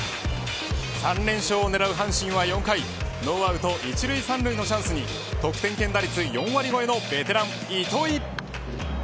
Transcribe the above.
３連勝を狙う阪神は、４回ノーアウト１塁３塁のチャンスに得点圏打率４割超えのベテラン、糸井。